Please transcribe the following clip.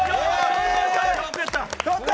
やった！